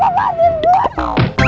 apaan sih ini